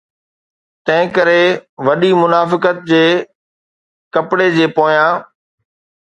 تنهنڪري وڏي منافقت جي ڪپڙي جي پويان.